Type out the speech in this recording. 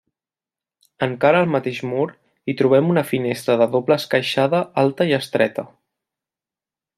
Encara al mateix mur hi trobem una finestra de doble esqueixada alta i estreta.